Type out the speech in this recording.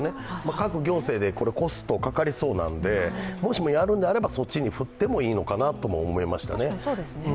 各行政でコストがかかりそうなんでもしもやるのであればそっちに振ってもいいのかなと思いましたね。